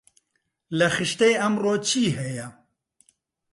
لە خشتەی ئەمڕۆ چی هەیە؟